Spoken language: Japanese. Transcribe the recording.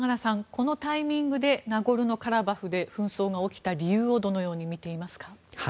このタイミングでナゴルノカラバフで紛争が起きた理由をどのように見ていますか？